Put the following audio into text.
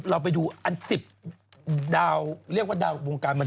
เราไปดูอัน๑๐ดาวเรียกว่าดาววงการบัน